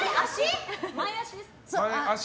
前足ですか？